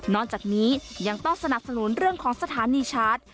จากนี้ยังต้องสนับสนุนเรื่องของสถานีชาร์จ